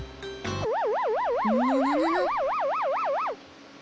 ぬぬぬぬ。